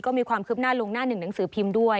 ก็มีความคืบหน้าลงหน้าหนึ่งหนังสือพิมพ์ด้วย